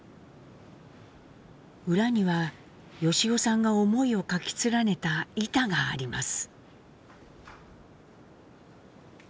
裏には由夫さんが思いを書き連ねた板があります。